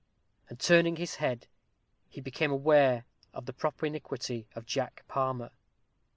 and turning his head, he became aware of the propinquity of Jack Palmer.